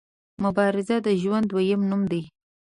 مبارزه د ژوند دویم نوم دی.